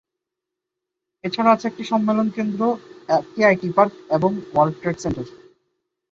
এছাড়া আছে একটি সম্মেলন কেন্দ্র, একটি আইটি পার্ক এবং ওয়ার্ল্ড ট্রেড সেন্টার।